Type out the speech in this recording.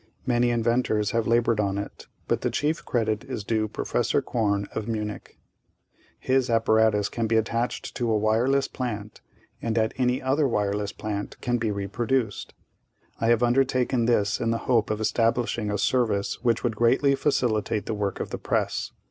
Many inventors have labored on it, but the chief credit is due Professor Korn of Munich. "His apparatus can be attached to a wireless plant and at any other wireless plant can be reproduced. I have undertaken this in the hope of establishing a service which would greatly facilitate the work of the press.